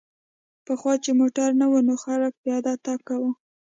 پخوا چې موټر نه و نو خلک پیاده تګ کاوه